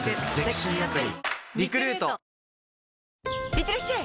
いってらっしゃい！